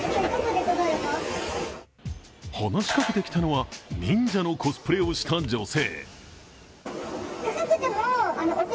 話しかけてきたのは、忍者のコスプレをした女性。